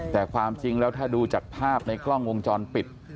แต่ความจริงแล้วถ้าดูจากภาพในกล้องวงจรปิด